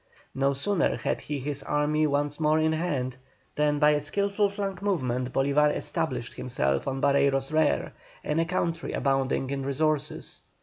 No sooner had he his army once more in hand than by a skilful flank movement Bolívar established himself on Barreiro's rear, in a country abounding in resources.